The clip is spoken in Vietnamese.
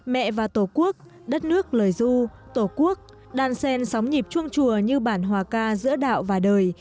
mẹ và tổ quốc đất nước lời du tổ quốc đàn sen sóng nhịp chuông chùa như bản hòa ca giữa đạo và đời